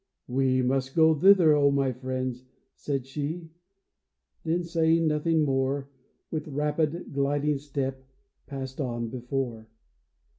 " We must go thither, O my friends," said she ; Then, saying nothing more, With rapid, gliding step passed on before.